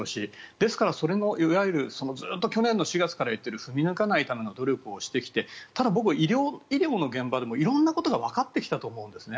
ですから、ずっと去年の４月から言っている踏み抜かないための努力をしてきてただ、僕医療の現場でも色んなことがわかってきたと思うんですね。